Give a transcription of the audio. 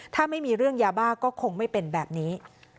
ถ้าไม่มีเรื่องยาบ้าก็คงไม่เป็นแบบนี้